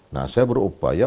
nah saya berupaya